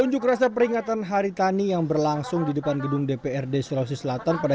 unjuk rasa peringatan hari tani yang berlangsung di depan gedung dprd sulawesi selatan pada